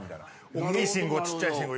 おっきい信号ちっちゃい信号